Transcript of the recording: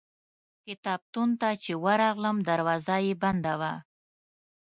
کتابتون ته چې ورغلم دروازه یې بنده وه.